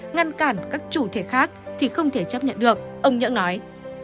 ngăn cản các chủ thể khác thì không thể chấp nhận được ông nhỡ nói